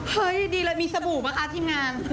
เฮ้ยดีเลยมีสบู่ป่ะคะทีมงาน